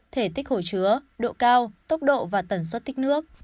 thể tích hồ chứa độ cao tốc độ và tần suất tích nước